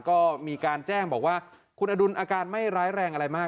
ก็มีการแจ้งบอกว่าคุณอดุลอาการไม่ร้ายแรงอะไรมาก